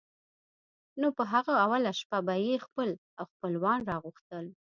نو په هغه اوله شپه به یې خپل او خپلوان را غوښتل.